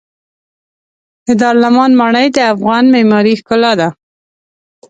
د دارالامان ماڼۍ د افغان معمارۍ ښکلا ده.